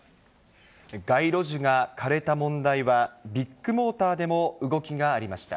街路樹が枯れた問題は、ビッグモーターでも動きがありました。